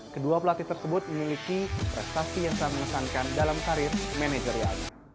kedua pelatih tersebut memiliki prestasi yang sangat mengesankan dalam karir manajerial